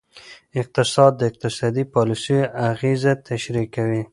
اقتصاد د اقتصادي پالیسیو اغیزه تشریح کوي.